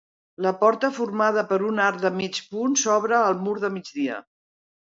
La porta, formada per un arc de mig punt, s'obre al mur de migdia.